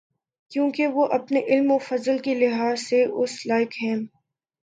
کیونکہ وہ اپنے علم و فضل کے لحاظ سے اس لائق ہیں۔